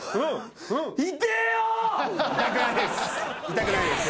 痛くないです。